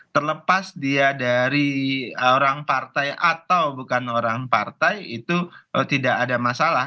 terlepas dia dari orang partai atau bukan orang partai itu tidak ada masalah